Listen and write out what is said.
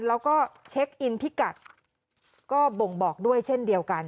แล้วก็เช็คอินพิกัดก็บ่งบอกด้วยเช่นเดียวกัน